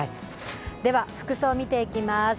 では服装見ていきます。